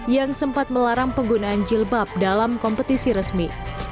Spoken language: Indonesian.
yang sempat melarang penggunaan jilbab dalam kompetisi resmi